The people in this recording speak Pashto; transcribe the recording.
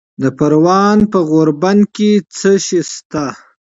د پروان په غوربند کې څه شی شته؟